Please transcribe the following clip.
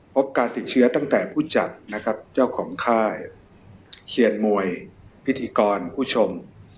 พบการติดเชื้อตั้งแต่ผู้จัดนะครับเจ้าของค่ายเชียนมวยพิธีกรผู้ชม